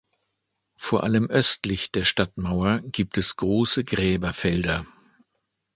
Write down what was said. Vor allem östlich der Stadtmauer gibt es große Gräberfelder.